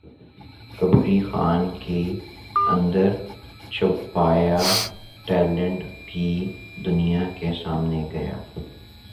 کبری خان کے اندر چھپا یہ ٹیلنٹ بھی دنیا کے سامنے گیا